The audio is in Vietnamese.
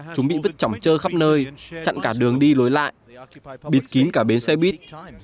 chúng bị vứt chỏng chơ khắp nơi chặn cả đường đi lối lại bịt kín cả bến xe buýt